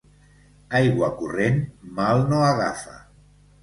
Aigua corrent mal no agafa.